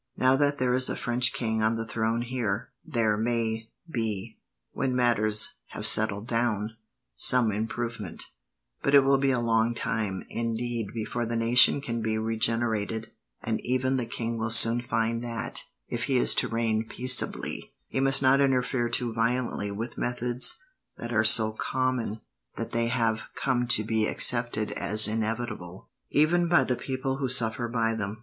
Now that there is a French king on the throne here, there may be, when matters have settled down, some improvement; but it will be a long time, indeed, before the nation can be regenerated, and even the king will soon find that, if he is to reign peaceably, he must not interfere too violently with methods that are so common that they have come to be accepted as inevitable, even by the people who suffer by them.